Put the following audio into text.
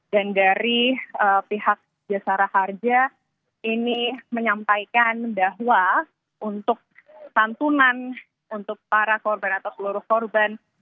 dan dari pihak kejasaan raharja ini menyampaikan bahwa untuk santunan untuk para korban atau seluruh korban